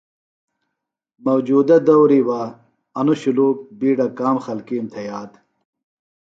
موجودہ دوری بہ انوۡ شُلوک بیڈہ کام خلکیم تھےۡ یاد